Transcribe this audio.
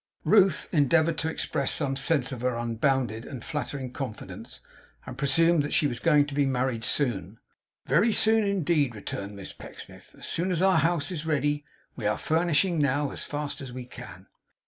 Ruth endeavoured to express some sense of her unbounded and flattering confidence; and presumed that she was going to be married soon. 'Very soon indeed,' returned Miss Pecksniff. 'As soon as our house is ready. We are furnishing now as fast as we can.